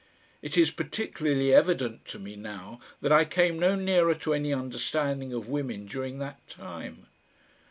It is particularly evident to me now that I came no nearer to any understanding of women during that time.